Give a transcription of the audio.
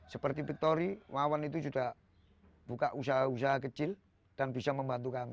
seperti victori wawan itu sudah buka usaha usaha kecil dan bisa membantu kami